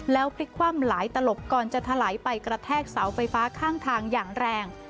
แล้วพลิกคว่ำหลายตลบก่อนจะถลายไปกระแทกเสาไฟฟ้าข้างทางอย่างแรง